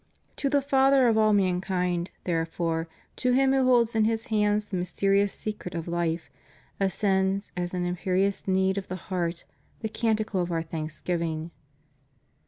To the Father of all mankind, therefore ; to Him who holds in His hands the mysterious secret of hfe, ascends, as an imperious need of the heart, the canticle of Our thanksgiv ing.